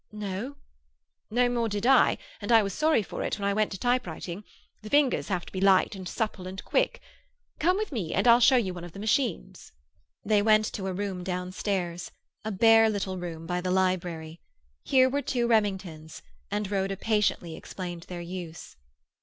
"No." "No more did I, and I was sorry for it when I went to typewriting. The fingers have to be light and supple and quick. Come with me, and I'll show you one of the machines." They went to a room downstairs—a bare little room by the library. Here were two Remingtons, and Rhoda patiently explained their use.